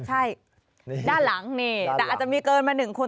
ใช่ด้านหลังนี่แต่อาจจะมีเกินมา๑คน